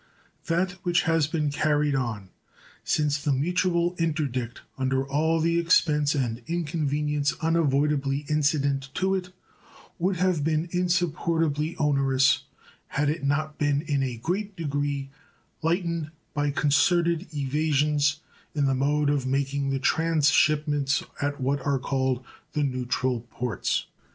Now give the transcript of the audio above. That which has been carried on since the mutual interdict under all the expense and inconvenience unavoidably incident to it would have been insupportably onerous had it not been in a great degree lightened by concerted evasions in the mode of making the transshipments at what are called the neutral ports.